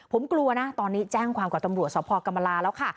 ผมกลัวนะตอนนี้แจ้งความกับตำรวจสพกรรมลาแล้วค่ะ